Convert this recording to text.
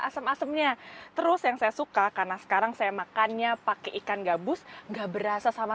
asem asemnya terus yang saya suka karena sekarang saya makannya pakai ikan gabus nggak berasa sama